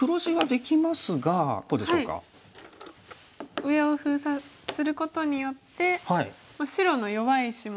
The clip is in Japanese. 上を封鎖することによって白の弱い石もなくなりましたし。